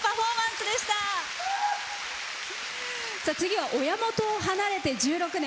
次は親元を離れて１６年。